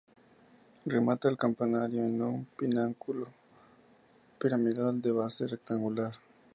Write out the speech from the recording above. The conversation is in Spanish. Remata el campanario en un pináculo piramidal de base rectangular.